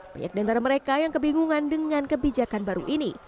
banyak di antara mereka yang kebingungan dengan kebijakan baru ini